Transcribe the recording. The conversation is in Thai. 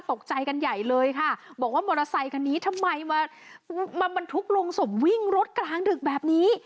ตกใจกันใหญ่เลยค่ะบอกว่ามอเตอร์ไซคันนี้ทำไมมาบรรทุกลงศพวิ่งรถกลางดึกแบบนี้